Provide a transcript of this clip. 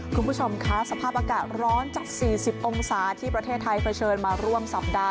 คุณผู้ชมค่ะสภาพอากาศร้อนจาก๔๐องศาที่ประเทศไทยเผชิญมาร่วมสัปดาห์